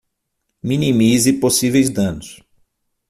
Minimize possíveis danos